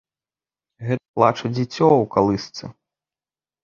Гэта плача дзіцё ў калысцы.